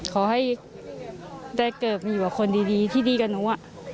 ขอให้ได้เกิดมาอยู่กับคนดีที่ดีกับหนู